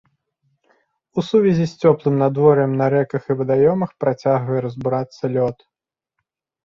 У сувязі з цёплым надвор'ем на рэках і вадаёмах працягвае разбурацца лёд.